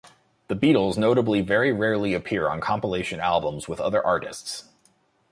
The Beatles notably very rarely appear on compilation albums with other artists.